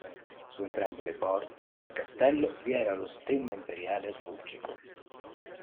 Su entrambe le porte del castello vi era lo Stemma imperiale asburgico.